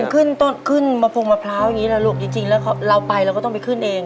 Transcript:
ขึ้นต้นขึ้นมาพงมะพร้าวอย่างนี้แหละลูกจริงแล้วเราไปเราก็ต้องไปขึ้นเอง